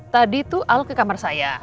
tadi tuh al ke kamar saya